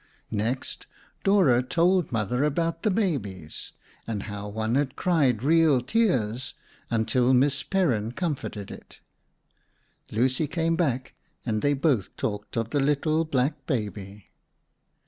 Next, Dora told Mother about the babies, and how one had cried real tears until Miss Perrin comforted it. Lucy came back and they both talked of the little black baby.